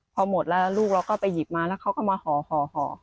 พอหมดแล้วลูกเราก็ไปหยิบมาแล้วเขาก็มาห่อ